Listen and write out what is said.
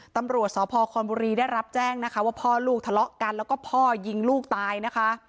ตำรวจสพคอนบุรีได้รับแจ้งนะคะว่าพ่อลูกทะเลาะกันแล้วก็พ่อยิงลูกตายนะคะ